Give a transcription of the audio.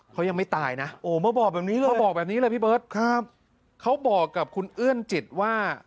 เขายังไม่ตายนะป๊อกแบบนี้เลยครับเขาบอกกับคุณเอื้อนจิตว่า